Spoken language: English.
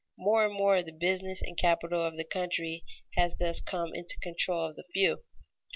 More and more the business and capital of the country has thus come into the control of the few.